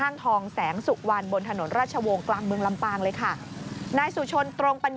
แล้วก็หลบหนีไปนะฮะ